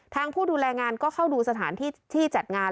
ผู้ดูแลงานก็เข้าดูสถานที่ที่จัดงาน